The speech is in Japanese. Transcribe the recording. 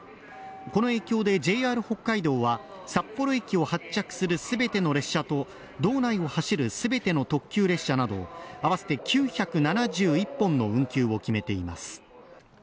この影響でＪＲ北海道は札幌駅を発着するすべての列車と道内を走るすべての特急列車など合わせて９７１本の運休を決めています